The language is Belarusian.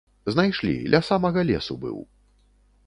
Знайшлі, ля самага лесу быў.